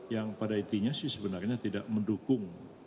yang pada intinya sih sebenarnya tidak mendukung